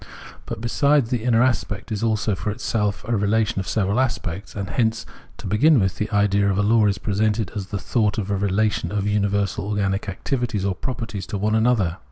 But besides, the inner aspect is also for itself a relation of several aspects ; and hence, to begin with, the idea of a law is presented as the thought of a relation of universal organic activities or properties to one another.